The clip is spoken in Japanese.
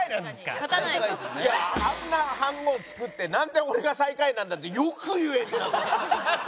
いやあんな飯ごう作って「なんで俺が最下位なんだ」ってよく言えるな。